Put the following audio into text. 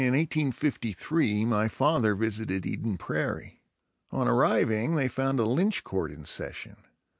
Collins 1852. In 1853 my father visited Eden Prairie. On arriving they found a lynch court in session.